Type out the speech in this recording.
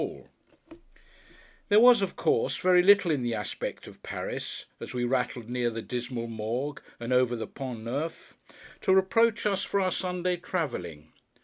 [Picture: Civil and military] There was, of course, very little in the aspect of Paris—as we rattled near the dismal Morgue and over the Pont Neuf—to reproach us for our Sunday travelling.